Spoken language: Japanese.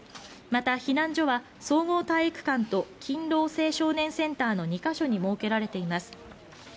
また避難所は、総合体育館と勤労青少年センターの２ヶ所に設けられています。